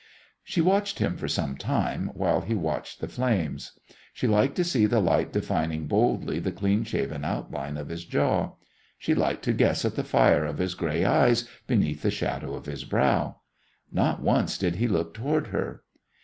She watched him for some time, while he watched the flames. She liked to see the light defining boldly the clean shaven outline of his jaw; she liked to guess at the fire of his gray eyes beneath the shadow of his brow. Not once did he look toward her.